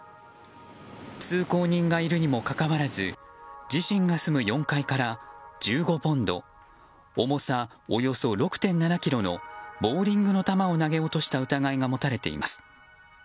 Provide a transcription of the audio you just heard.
通行人がいるにもかかわらず自身が住む４階から１５ポンド重さおよそ６．７ｋｇのボウリングの球を投げ落とした疑いが持たれています。